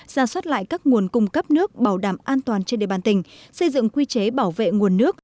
ra soát lại các nguồn cung cấp nước bảo đảm an toàn trên địa bàn tỉnh xây dựng quy chế bảo vệ nguồn nước